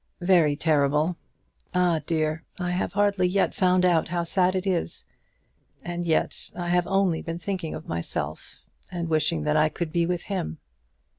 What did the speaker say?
"Very terrible. Ah, dear, I have hardly yet found out how sad it is. As yet I have only been thinking of myself, and wishing that I could be with him."